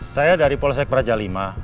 saya dari polsek praja v